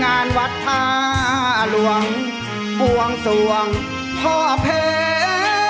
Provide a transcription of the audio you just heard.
งานวัดท่าหลวงบวงสวงพ่อเพชร